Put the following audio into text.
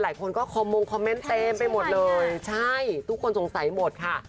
หลายคนก็คอมมงคอมเมนต์เต็มไปหมดเลยใช่ทุกคนสงสัยหมดค่ะ